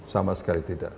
sama sekali tidak